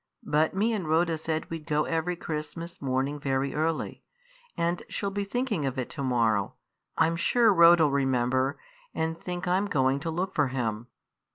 But me and Rhoda said we'd go every Christmas morning very early; and she 'll be thinking of it to morrow. I'm sure Rhoda 'ill remember, and think I'm going to look for Him."